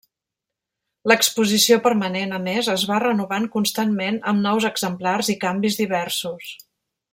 L'exposició permanent, a més, es va renovant constantment amb nous exemplars i canvis diversos.